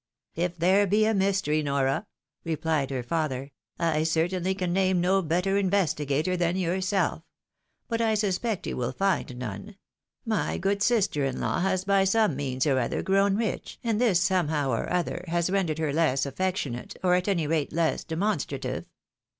" If there be a mystery, Nora," replied her father, " I cer tainly can name no better investigator than yourself ; but I suspect you will find none. My good sister in law has by some means or other grown rich, and this, somehow or other, has rendered her less affectionate, or, at any rate, less demonstrative.